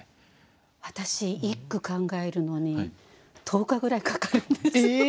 私１句考えるのに１０日ぐらいかかるんですよ。